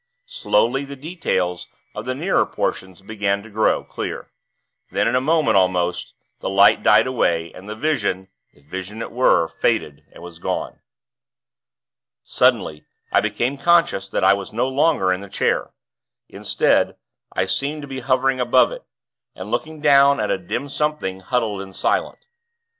Slowly, the details of the nearer portions began to grow clear; then, in a moment almost, the light died away, and the vision if vision it were faded and was gone. Suddenly, I became conscious that I was no longer in the chair. Instead, I seemed to be hovering above it, and looking down at a dim something, huddled and silent.